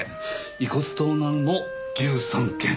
遺骨盗難も１３件。